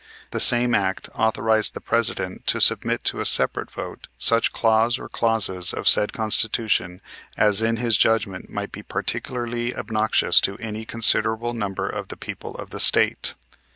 The same act authorized the President to submit to a separate vote such clause or clauses of said Constitution as in his judgment might be particularly obnoxious to any considerable number of the people of the State.